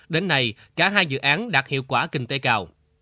đến nay cả hai dự án đạt hiệu quả kinh tế cao